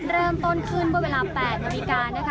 เริ่มต้นขึ้นเวลา๘๐๐นนะคะ